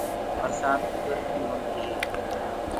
برسآت کُدرتي هوندي هي۔